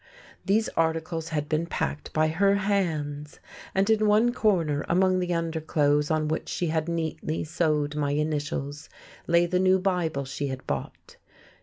These articles had been packed by her hands; and in one corner, among the underclothes on which she had neatly sewed my initials, lay the new Bible she had bought.